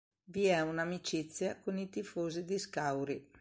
Vi è una amicizia con i tifosi di Scauri.